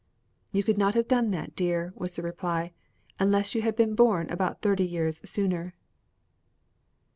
"You could not have done that, dear," was the reply, "unless you had been born about thirty years sooner."